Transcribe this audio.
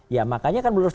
ya makanya kan berurusan